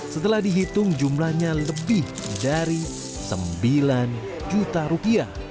setelah dihitung jumlahnya lebih dari rp sembilan